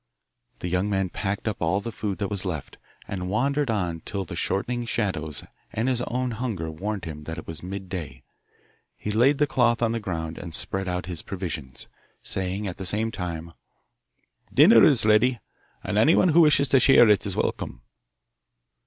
The young man packed up all the food that was left, and wandered on till the shortening shadows and his own hunger warned him that it was midday. he laid the cloth on the ground and spread out his provisions, saying at the same time: 'Dinner is ready, and anyone who wishes to share it is welcome.